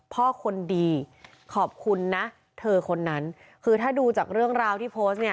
คนดีขอบคุณนะเธอคนนั้นคือถ้าดูจากเรื่องราวที่โพสต์เนี่ย